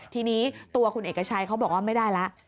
ทีนี้ตัวคุณเอกชัยเขาบอกว่าไม่ได้แล้ว